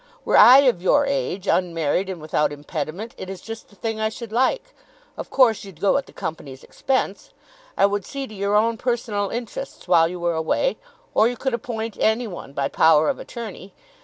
Were I of your age, unmarried, and without impediment, it is just the thing I should like. Of course you'd go at the Company's expense. I would see to your own personal interests while you were away; or you could appoint any one by power of attorney.